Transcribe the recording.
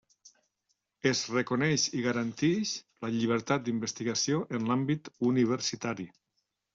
Es reconeix i garantix la llibertat d'investigació en l'àmbit universitari.